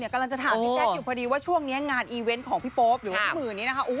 กำลังจะถามพี่แจ๊คอยู่พอดีว่าช่วงนี้งานอีเวนต์ของพี่โป๊ปหรือว่าพี่หมื่นนี้นะคะ